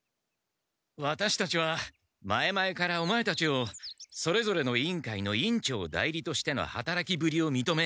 ワタシたちは前々からオマエたちをそれぞれの委員会の委員長代理としてのはたらきぶりをみとめ